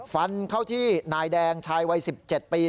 ฟันเข้าที่นายแดงชายวัย๑๗ปี